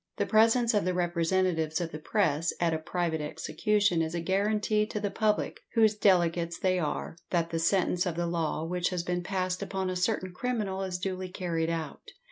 The presence of the representatives of the press at a private execution is a guarantee to the public, whose delegates they are, that the sentence of the law which has been passed upon a certain criminal is duly carried out.